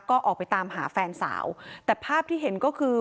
ก็ออกไปตามหาแฟนสาวแต่ภาพที่เห็นก็คือ